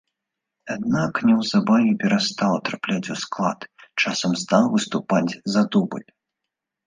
Аднак, неўзабаве перастаў трапляць у склад, часам стаў выступаць за дубль.